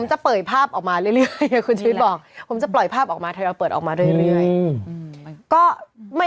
จะเปิดภาพออกมาเรื่อยคุณชีวิตบอกผมจะปล่อยภาพออกมาทยอยเปิดออกมาเรื่อย